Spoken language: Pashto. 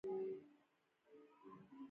اکثره مقالې په انګلیسي ژبه خپریږي.